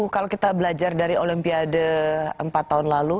kalau kita belajar dari olimpiade empat tahun lalu